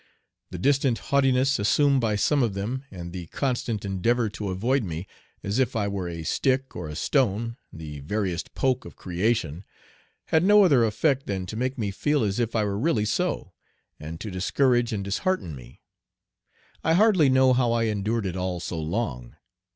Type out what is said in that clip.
The distant haughtiness assumed by some of them, and the constant endeavor to avoid me, as if I were "a stick or a stone, the veriest poke of creation," had no other effect than to make me feel as if I were really so, and to discourage and dishearten me. I hardly know how I endured it all so long.